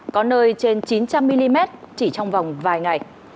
có nơi trên chín trăm linh mm chỉ trong vòng vài ngày